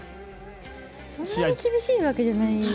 そんなに厳しいわけじゃない。